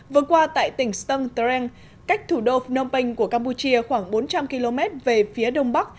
vừa qua tại tỉnh ston dreng cách thủ đô phnom penh của campuchia khoảng bốn trăm linh km về phía đông bắc